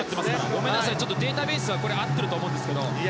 ごめんなさいこのデータベースは合っていると思うんですが。